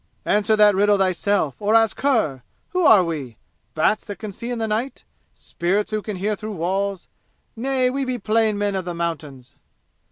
"Answer that riddle thyself or else ask her! Who are we? Bats, that can see in the night? Spirits, who can hear through walls? Nay, we be plain men of the mountains!"